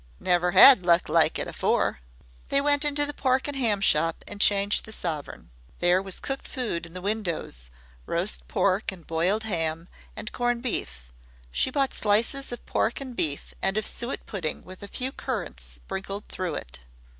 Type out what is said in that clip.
Never had luck like it 'afore." They went into the pork and ham shop and changed the sovereign. There was cooked food in the windows roast pork and boiled ham and corned beef. She bought slices of pork and beef, and of suet pudding with a few currants sprinkled through it.